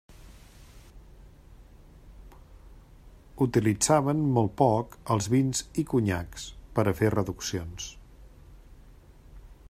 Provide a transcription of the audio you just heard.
Utilitzaven molt poc els vins i conyacs per a fer reduccions.